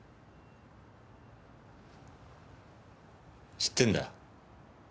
知ってんだ。